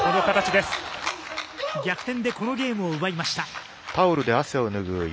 逆転でこのゲームを奪いました。